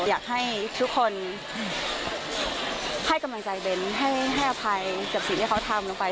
อยากให้ทุกคนให้กำลังใจเบ้นให้อภัยกับสิ่งที่เขาทำลงไป